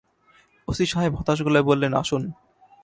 OC সাহেব হতাশ গলায় বললেন, আসুন।